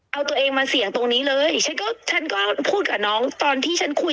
เอาตัวเองมาเสี่ยงตรงนี้เลยฉันก็ฉันก็พูดกับน้องตอนที่ฉันคุย